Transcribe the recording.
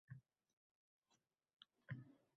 Ishga tushdi ikkovlon.